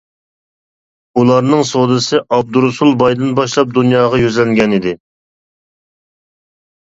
ئۇلارنىڭ سودىسى ئابدۇرۇسۇل بايدىن باشلاپ دۇنياغا يۈزلەنگەنىدى.